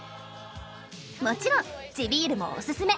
もちろん地ビールもおすすめ。